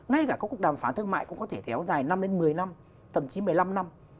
ngay cả các cuộc đàm phán thương mại cũng có thể kéo dài năm đến một mươi năm tầm chí một mươi năm năm